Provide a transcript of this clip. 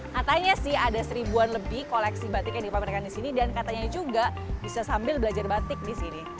katanya sih ada seribuan lebih koleksi batik yang dipamerkan di sini dan katanya juga bisa sambil belajar batik di sini